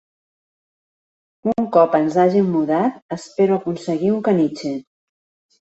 Un cop ens hàgim mudat espero aconseguir un caniche.